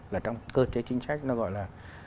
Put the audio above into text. là trong cơ chế chính sách nó gọi là